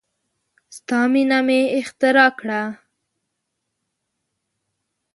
ستا مینه مې اختراع کړه